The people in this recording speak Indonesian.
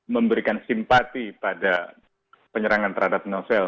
memberikan simpati pada penyerangan terhadap novel